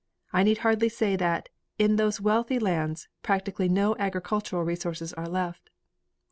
I need hardly say that, in those wealthy lands, practically no agricultural resources are left.